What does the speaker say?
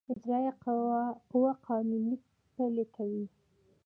اجرائیه قوه قوانین پلي کوي